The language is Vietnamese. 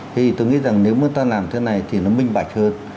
thì tôi nghĩ rằng nếu mà ta làm thế này thì nó minh bạch hơn